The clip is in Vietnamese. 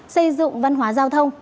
xây dựng văn hóa giao thông